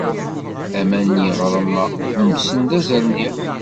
Aman n yiɣrem-a umsen d azernix.